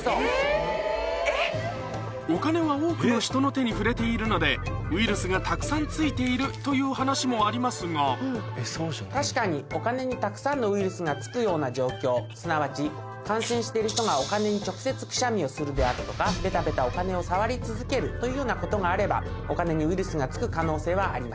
お金は多くの人の手に触れているのでウイルスがたくさんついているという話もありますが確かにお金にたくさんのウイルスがつくような状況すなわち感染している人がお金に直接くしゃみをするであるとかベタベタお金を触り続けるというようなことがあればお金にウイルスがつく可能性はあります。